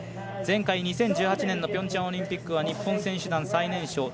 前回２０１８年のピョンチャンオリンピックは日本選手団最年少。